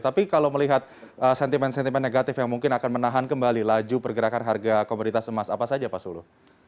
tapi kalau melihat sentimen sentimen negatif yang mungkin akan menahan kembali laju pergerakan harga komoditas emas apa saja pak sulu